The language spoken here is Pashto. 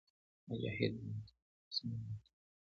مجاهد د مظلوم لاسنیوی کوي.